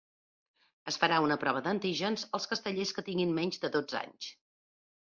Es farà una prova d’antígens als castellers que tinguin menys de dotze anys.